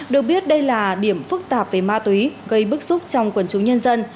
được biết đây là điểm phức tạp về ma túy gây bức xúc trong quần chúng nhân dân